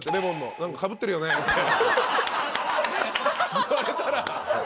言われたら。